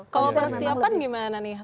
kalau persiapan gimana nih